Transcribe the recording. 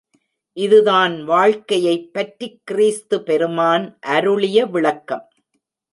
இதுதான் வாழ்க்கையைப் பற்றிக் கிறிஸ்து பெருமான் அருளிய விளக்கம்.